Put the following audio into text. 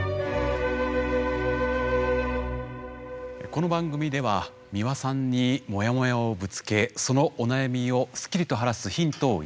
この番組では美輪さんにモヤモヤをぶつけそのお悩みをすっきりと晴らすヒントを頂きます。